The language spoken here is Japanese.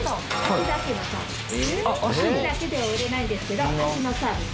脚だけでは売れないんですけど脚のサービス。